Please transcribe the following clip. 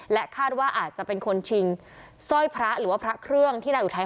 คาดว่าอาจจะเป็นคนชิงสร้อยพระหรือว่าพระเครื่องที่นายอุทัย